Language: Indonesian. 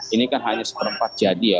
ini kan hanya seperempat jadi ya